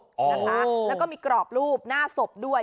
แล้วก็มีกรอบรูปหน้าศพด้วย